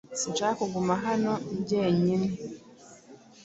Sinshaka kuguma hano njyenyine.